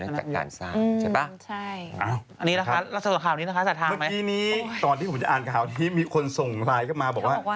เมื่อกี้นี้ตอนที่ผมจะอ่านข่าวนี้มีคนส่งไลน์กลับมาบอกว่า